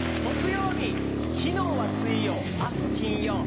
木曜日昨日は水曜明日金曜。